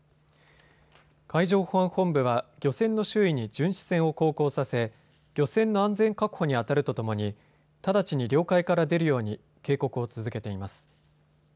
海上保安本部は漁船の周囲に巡視船を航行させ漁船の安全確保に当たるとともに、直ちに領海から出るように警告を続けています。